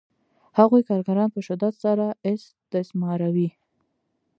هغوی کارګران په شدت سره استثماروي